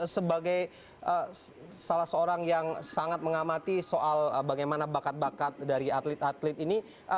sebagai salah seorang yang sangat mengamati soal bagaimana bakat bakat dari atlet atlet ini